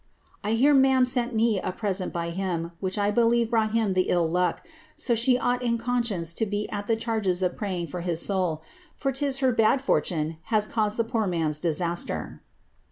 ^^ I hear mam sent me a present by him, which I believe brought him the ill lijck, so slie oufht in conscience to be at the charges of praying for his soul, for 'tis her bad fortune his caused the poor man's disaster.''